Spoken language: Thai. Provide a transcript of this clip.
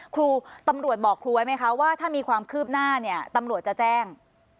ครูตำรวจบอกครูไว้ไหมคะว่าถ้ามีความคืบหน้าเนี่ยตำรวจจะแจ้ง